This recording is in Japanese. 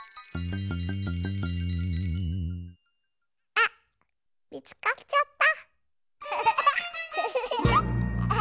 あっみつかっちゃった。